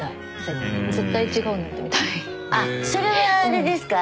あっそれはあれですか？